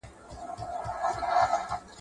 په غیرت او شجاعت مو نوم نښان وو!